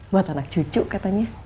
buat anak cucu katanya